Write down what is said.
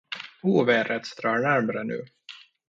Ovädret drar närmre nu.